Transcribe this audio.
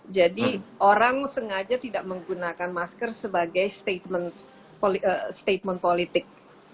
jadi orang sengaja tidak menggunakan masker sebagai statement politik